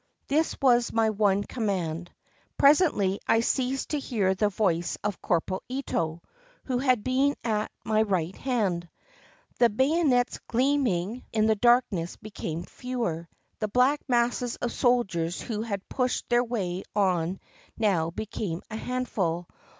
This was my one command. Presently I ceased to hear the voice of Corporal Ito, who had been at my right hand. The bayonets gleaming in the darkness became fewer. The black masses of soldiers who had pushed their way on now became a handful.